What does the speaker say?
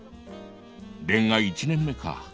恋愛１年目か。